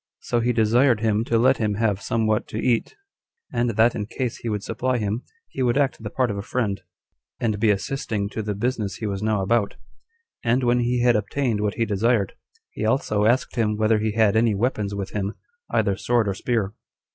So he desired him to let him have somewhat to eat; and that in case he would supply him, he would act the part of a friend, and be assisting to the business he was now about: and when he had obtained what he desired, he also asked him whether he had any weapons with him, either sword or spear.